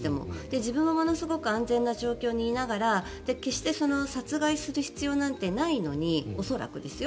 自分はものすごく安全な状況にいながら決して殺害する必要なんてないのに恐らくですよ